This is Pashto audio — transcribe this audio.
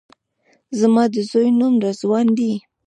زما د زوی نوم رضوان دی